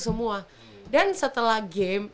semua dan setelah game